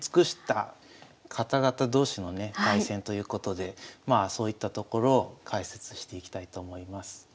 対戦ということでまあそういったところを解説していきたいと思います。